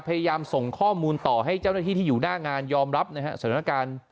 พยายามส่งข้อมูลต่อให้เจ้าหน้าที่ที่อยู่หน้างานยอมรับนะฮะสถานการณ์